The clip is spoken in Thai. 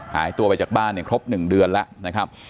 หายตัวไปจากบ้านเนี่ยครบ๑เดือนแล้วนะครับ